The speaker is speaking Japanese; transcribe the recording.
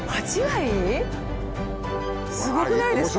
すごくないですか？